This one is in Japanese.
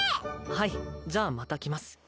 はいじゃあまた来ます